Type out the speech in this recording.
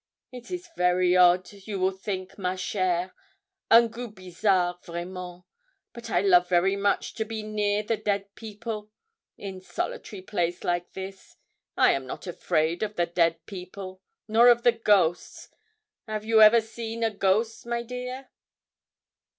It is very odd, you will think, ma chêre un goût bizarre, vraiment! but I love very much to be near to the dead people in solitary place like this. I am not afraid of the dead people, nor of the ghosts. 'Av you ever see a ghost, my dear?'